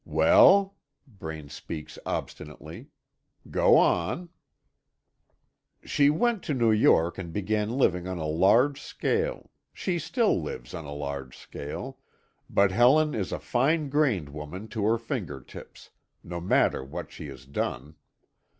"Well?" Braine speaks obstinately. "Go on." "She went to New York and began living on a large scale she still lives on a large scale but Helen is a fine grained woman to her finger tips, no matter what she has done.